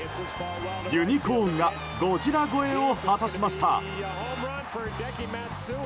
ユニコーンがゴジラ超えを果たしました。